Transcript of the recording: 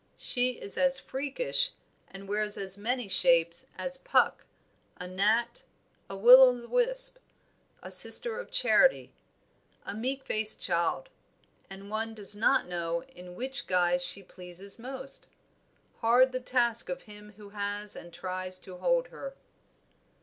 "She is as freakish, and wears as many shapes as Puck; a gnat, a will o' the wisp, a Sister of Charity, a meek faced child; and one does not know in which guise she pleases most. Hard the task of him who has and tries to hold her."